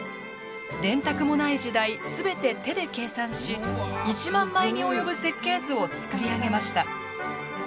電卓もない時代すべて手で計算し１万枚に及ぶ設計図を作り上げました。